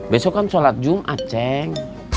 besok kan sholat jumat ceng